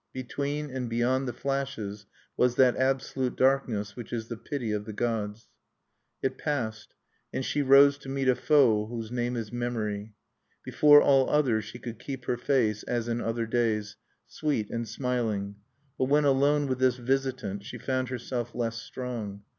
Between and beyond the flashes was that absolute darkness which is the pity of the gods. It passed; and she rose to meet a foe whose name is Memory. Before all others she could keep her face, as in other days, sweet and smiling. But when alone with this visitant, she found herself less strong.